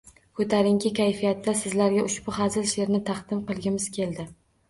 Koʻtarinki kayfiyatda sizlarga ushbu hazil sheʼrni taqdim qilgimiz keldi.